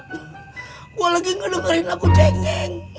saya lagi mendengarkan lagu cengeng